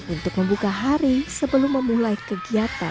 untuk membuka hari sebelum memulai kegiatan